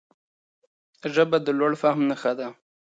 ژبه د لوړ فهم نښه ده